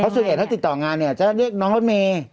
ส่วนใหญ่ถ้าติดต่องานเนี่ยจะเรียกน้องรถเมย์